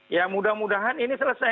ya mudah mudahan ini selesai